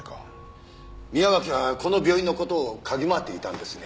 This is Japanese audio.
宮脇はこの病院の事を嗅ぎ回っていたんですね。